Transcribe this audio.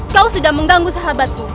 kau sudah mengganggu sahabatku